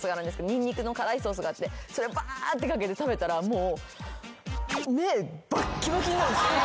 ニンニクの辛いソースがあってそれをバーって掛けて食べたらもう。